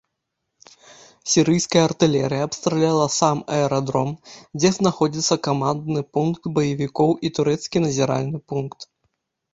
Сірыйская артылерыя абстраляла сам аэрадром, дзе знаходзіцца камандны пункт баевікоў і турэцкі назіральны пункт.